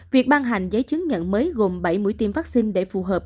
việc ban hành giấy chứng nhận mới gồm bảy mũi tiêm vaccine để phù hợp